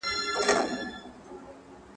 او بخښنه مي له خدایه څخه غواړم..